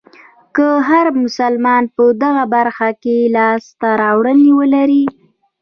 که هر مسلمان په دغه برخه کې لاسته راوړنې ولرلې.